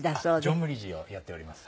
常務理事をやっております。